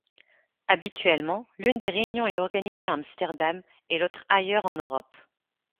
Habituellement, l'une des réunions est organisée à Amsterdam et l'autre ailleurs en Europe.